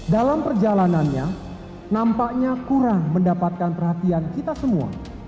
dalam perjalanannya nampaknya kurang mendapatkan perhatian kita semua